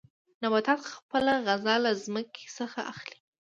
نباتات خپله غذا له ځمکې څخه اخلي.